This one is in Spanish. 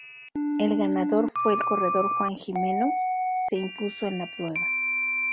El ganador fue el corredor Juan Gimeno se impuso en la prueba.